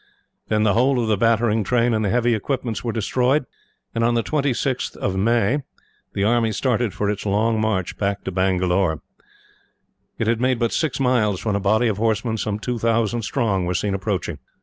Then the whole of the battering train, and the heavy equipments, were destroyed; and on the 26th of May, the army started for its long march back to Bangalore. It had made but six miles when a body of horsemen, some two thousand strong, were seen approaching.